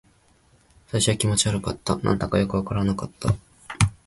最初は気持ち悪かった。何だかよくわからなかった。